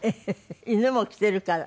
犬も着てるから？